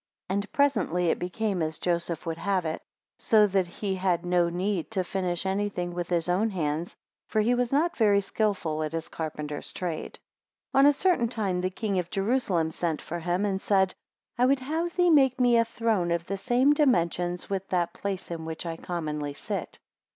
3 And presently it became as Joseph would have it: 4 So that he had no need to finish anything with his own hands, for he was not very skilful at his carpenter's trade. 5 On a certain time the King of Jerusalem sent for him, and said, I would have thee make me a throne of the same dimensions with that place in which I commonly sit.